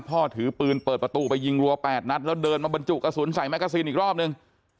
ถือปืนเปิดประตูไปยิงรัว๘นัดแล้วเดินมาบรรจุกระสุนใส่แกซีนอีกรอบนึง